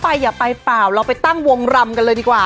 อย่าไปเปล่าเราไปตั้งวงรำกันเลยดีกว่า